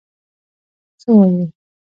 څه وايې؟